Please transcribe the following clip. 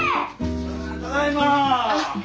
ただいま！